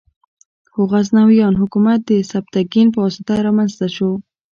خو غزنویان حکومت د سبکتګین په واسطه رامنځته شو.